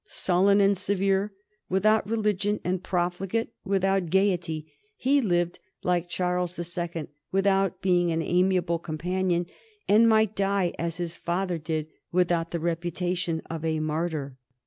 Sullen and severe without religion, and profligate without gayety, he lived like Charles the Second, without being an amiable companion, and might die as his father did, without the reputation of a martyr.